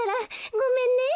ごめんね。